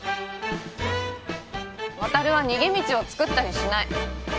渉は逃げ道を作ったりしない。